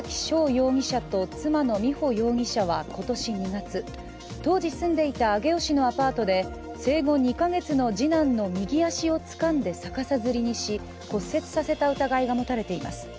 容疑者と妻の美穂容疑者は今年２月、当時住んでいた上尾市のアパートで生後２か月の次男の右足をつかんで逆さづりにし骨折させた疑いが持たれています。